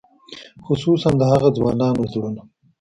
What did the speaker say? خصوصاً د هغو ځوانانو زړونه.